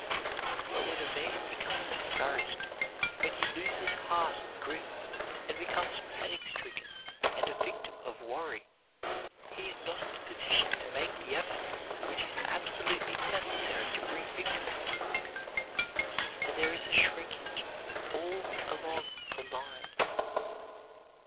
But when a man becomes discouraged, when he loses heart and grip, and becomes panic stricken and a victim of worry, he is not in a position to make the effort which is absolutely necessary to bring victory, and there is a shrinkage all along the line.